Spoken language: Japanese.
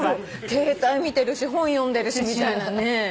携帯見てるし本読んでるしみたいなね。